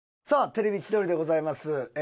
さあ『テレビ千鳥』でございます。